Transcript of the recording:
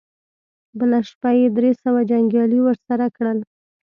بله شپه يې درې سوه جنګيالي ور سره کړل.